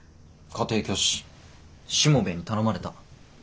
家庭教師しもべえに頼まれた。